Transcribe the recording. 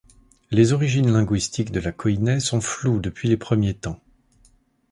Les origines linguistiques de la koinè sont floues depuis les premiers temps.